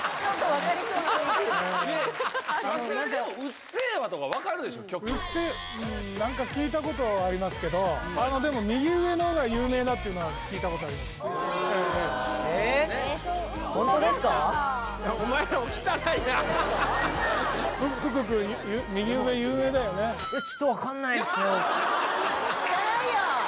曲うっせぇうん何か聞いたことありますけどあのでも右上のが有名だっていうのは聞いたことあります汚いよ！